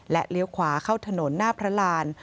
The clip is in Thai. เลี้ยวขวาเข้าถนนหน้าพระราน